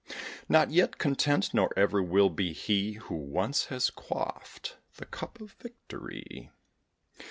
] Not yet content? nor ever will be he Who once has quaffed the cup of victory.